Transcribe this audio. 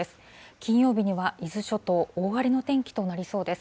金曜日には、伊豆諸島、大荒れの天気となりそうです。